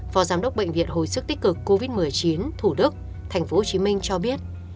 phó giám đốc bệnh viện hồi sức tích cực covid một mươi chín tp thủ đức tp hồ chí minh cho biết